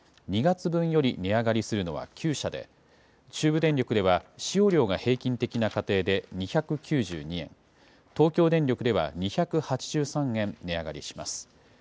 ２月分より値上がりするのは９社で、中部電力では、使用量が平均的な家庭で２９２円、東京電力では、２８３円値上がりします。